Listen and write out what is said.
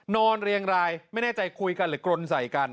เรียงรายไม่แน่ใจคุยกันหรือกรนใส่กัน